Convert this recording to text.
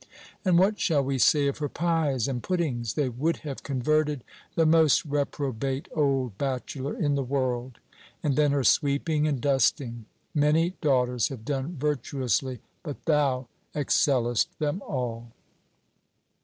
And what shall we say of her pies and puddings? They would have converted the most reprobate old bachelor in the world. And then her sweeping and dusting! "Many daughters have done virtuously, but thou excellest them all!"